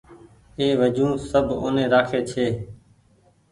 اي وجون سب اوني رآکي ڇي